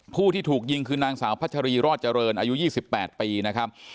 ผู้ที่ถูกยิงคือนางสาวพัชรีรอดเจริญอายุ๒๘ปีนะครับ